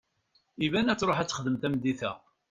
Iban ad tṛuḥ ad texdem tameddit-a.